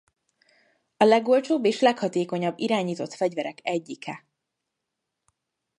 A legolcsóbb és leghatékonyabb irányított fegyverek egyike.